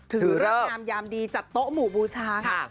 ธ้รรย่ามยามดีจัดโต้หมูบูชา